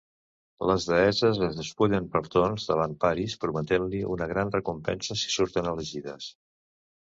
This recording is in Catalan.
Les deesses es despullen per torns davant Paris, prometent-li una gran recompensa si surten elegides.